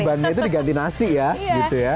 ini bandenya tuh diganti nasi ya gitu ya